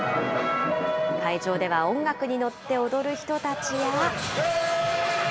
会場では音楽に乗って踊る人たちや。